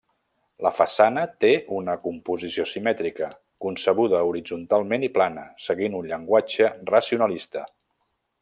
La façana té una composició simètrica, concebuda horitzontalment i plana, seguint un llenguatge racionalista.